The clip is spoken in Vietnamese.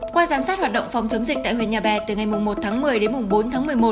qua giám sát hoạt động phòng chống dịch tại huyện nhà bè từ ngày một tháng một mươi đến bốn tháng một mươi một